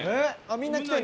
みんな来てんの？